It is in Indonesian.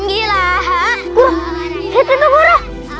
guru lihat itu guru